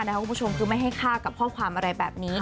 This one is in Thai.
คุณผู้ชมคือไม่ให้ฆ่ากับข้อความอะไรแบบนี้